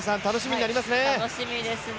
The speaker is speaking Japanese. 楽しみですね。